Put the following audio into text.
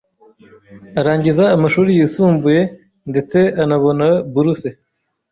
arangiza amashuri yisumbuye ndetse anabona buruse